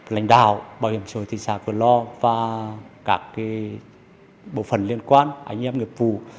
lãnh đạo bảo hiểm xã hội tự nguyện và các bộ phần liên quan anh em nghiệp vụ